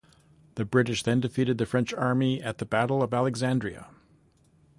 The British then defeated the French army at the Battle of Alexandria.